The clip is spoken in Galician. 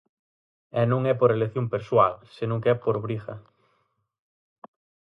E non é por elección persoal, senón que é por obriga.